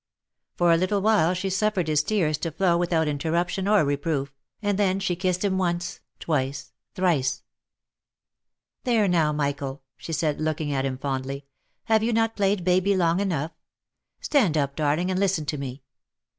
For a little while she suffered his tears to flow without interrup tion or reproof, and then she kissed him once, twice, thrice. " There now, Michael," she said, looking at him fondly ;" have you not played baby long enough? Stand up, darling, and listen to me.